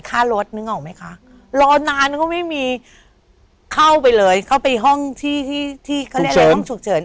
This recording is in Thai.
ค่ารถนึกออกไหมคะรอนานก็ไม่มีเข้าไปเลยเข้าไปห้องที่ที่ที่เขาเรียกอะไรห้องฉุกเฉิน